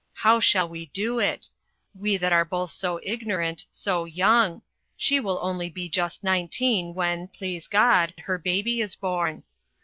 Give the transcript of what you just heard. How shall we do it! we that are both so ignorant, so young she will be only just nineteen when, please God, her baby is born.